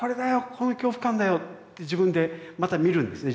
この恐怖感だよ！」って自分でまた見るんですね